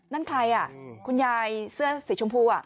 นั่นใครอ่ะคุณยายเสื้อสีชมพู